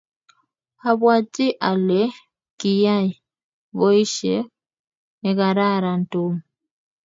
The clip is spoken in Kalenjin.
abwatii ale kiyay boisie nekararan Tom.